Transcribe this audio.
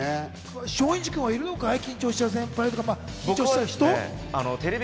松陰寺君はいるのかい？